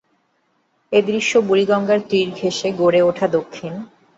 এ দৃশ্য বুড়িগঙ্গার তীর ঘেঁষে গড়ে ওঠা দক্ষিণ কেরানীগঞ্জের আগানগরের বাঁশপট্টি এলাকার।